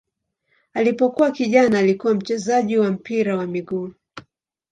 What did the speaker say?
Alipokuwa kijana alikuwa mchezaji wa mpira wa miguu.